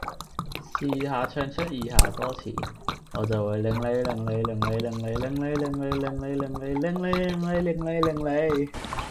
試吓唱出以下歌詞：我就會令你令你令您令您，令妳令妳令你令你，擰你擰你擰你擰你！